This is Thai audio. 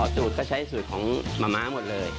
สูตรก็ใช้สูตรของมะม้าหมดเลย